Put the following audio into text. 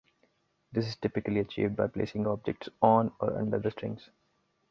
This is typically achieved by placing objects on or under the strings.